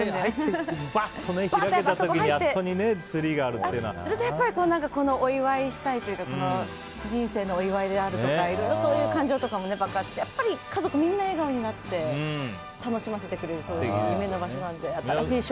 あそこに入ってあとお祝いしたいというか人生のお祝いであるとかいろいろそういう感情も爆発してやっぱり家族みんな笑顔になって楽しませてくれる夢の場所なので。